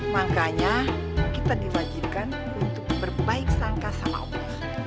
makanya kita diwajibkan untuk berbaik sangka sama allah